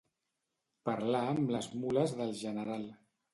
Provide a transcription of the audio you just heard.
Parlar amb les mules del general.